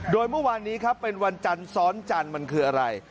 โดยเมื่อวานนี้ครับเป็นวันจันทร์ซ้อนจันทร์มันคืออะไร